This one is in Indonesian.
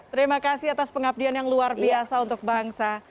terima kasih atas pengabdian yang luar biasa untuk bangsa